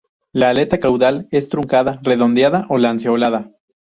La aleta caudal es truncada, redondeada o lanceolada.